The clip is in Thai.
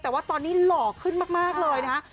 แต่ว่าตอนนี้หล่อขึ้นมากเลยนะฮะ